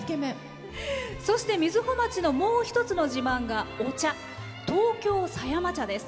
そして瑞穂町のもう一つの自慢がお茶、東京狭山茶です。